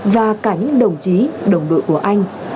và cả những đồng chí đồng đội của anh